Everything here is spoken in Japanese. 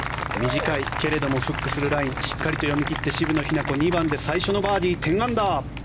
短いけれどもフックするラインしっかりと読み切って渋野日向子２番で最初のバーディー１０アンダー。